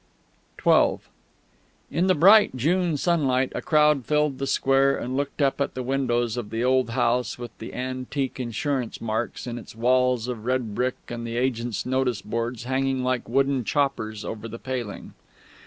XII In the bright June sunlight a crowd filled the square, and looked up at the windows of the old house with the antique insurance marks in its walls of red brick and the agents' notice boards hanging like wooden choppers over the paling.